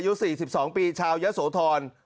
อายุ๔๒ปีชาวยะโสธร